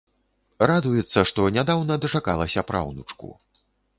Радуецца, што нядаўна дачакалася праўнучку.